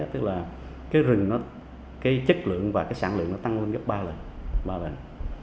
tức là rừng chất lượng và sản lượng tăng lên gấp ba lần